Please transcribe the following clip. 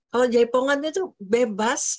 kalau jaipongannya itu bebas